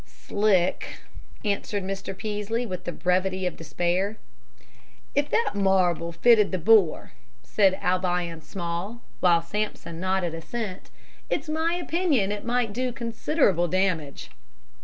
"Slick," answered Mr. Peaslee, with the brevity of despair. "If that marble fitted the bore," said Albion Small, while Sampson nodded assent, "it's my opinion it might do considerable damage."